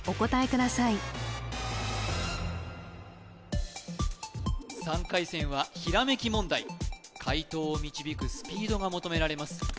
ください３回戦はひらめき問題解答を導くスピードが求められます